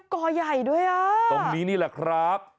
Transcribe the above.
กอใหญ่ด้วยอ่ะตรงนี้นี่แหละครับ